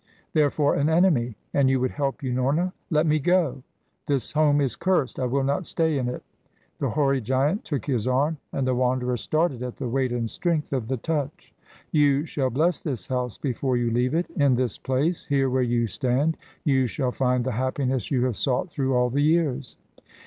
"Therefore an enemy and you would help Unorna let me go! This home is cursed. I will not stay in it." The hoary giant took his arm, and the Wanderer started at the weight and strength of the touch. "You shall bless this house before you leave it. In this place, here where you stand, you shall find the happiness you have sought through all the years."